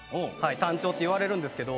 単調って言われるんですけど。